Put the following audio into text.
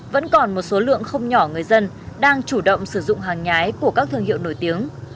vẫn còn một số lượng không nhỏ người dân đang chủ động sử dụng hàng nhái của các thương hiệu nổi tiếng